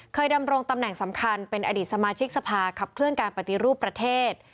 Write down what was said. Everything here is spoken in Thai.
ดำรงตำแหน่งสำคัญเป็นอดีตสมาชิกสภาขับเคลื่อนการปฏิรูปประเทศ